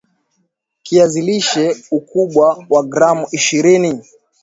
Kiazi lishe ukubwa wa gram ishirini